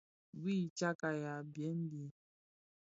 Bui titsàb yaà bwem bi.